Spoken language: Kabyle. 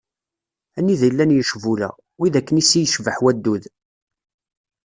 Anida i llan yicbula, wid akken i ssi yecbeḥ waddud.